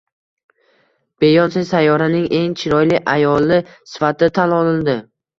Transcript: Beyonse sayyoraning eng chiroyli ayoli sifatida tan olindi